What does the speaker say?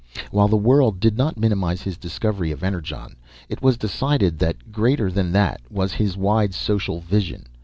While the world did not minimize his discovery of Energon, it was decided that greater than that was his wide social vision.